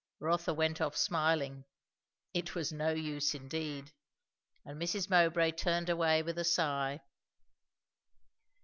Rotha went off smiling. It was no use indeed! And Mrs. Mowbray turned away with a sigh.